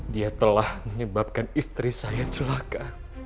dia telah menyebabkan istri saya celaka